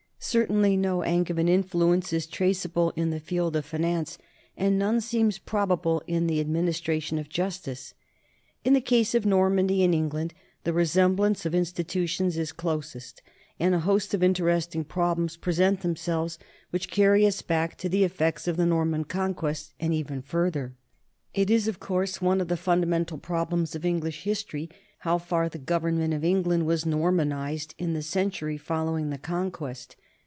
Certainly no Angevin influence is traceable in the field of finance, and none seems probable in the administration of justice. In the case of Normandy and England the resemblance of institutions is closest, and a host of inter esting problems present themselves which carry us back to the effects of the Norman Conquest and even further. THE NORMAN EMPIRE 101 It is, of course, one of the fundamental problems of English history how far the government of England was Normanized in the century following the Conquest.